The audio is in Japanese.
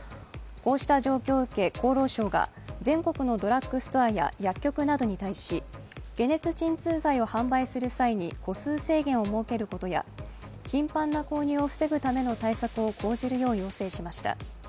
こうした状況を受け、厚労省が全国のドラッグストアや薬局などに対し、解熱鎮痛剤を販売する際に個数制限を設けることや頻繁な購入を防ぐための対策を講じるよう要請しました。